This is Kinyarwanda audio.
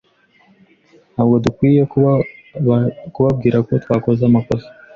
Ntabwo dukwiye kubabwira ko twakoze amakosa?